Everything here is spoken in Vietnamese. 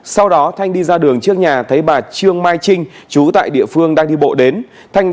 sau đó thanh đi ra đường trước nhà thấy bà trương mai trinh chú tại địa phương đang đi bộ đến thanh